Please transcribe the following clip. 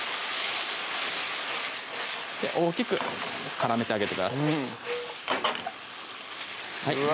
大きく絡めてあげてください